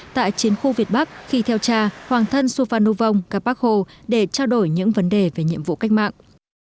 tại chiến khu việt bắc khi theo tra hoàng thân su phan ngu vong gặp bác hồ để trao đổi những vấn đề về nhiệm vụ cách mạng